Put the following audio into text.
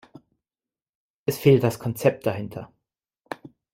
Es fehlt das Konzept dahinter.